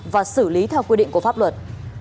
và xử lý theo quy định của pháp luật